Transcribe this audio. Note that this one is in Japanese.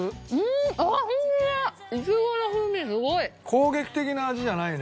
攻撃的な味じゃないね